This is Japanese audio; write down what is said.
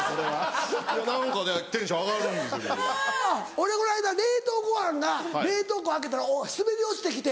俺この間冷凍ごはんが冷凍庫開けたら滑り落ちて来て